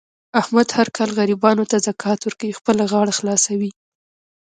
احمد هر کال غریبانو ته زکات ورکوي. خپله غاړه خلاصوي.